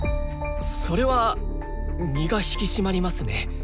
それは身が引き締まりますね。